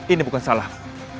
ini bukan salahmu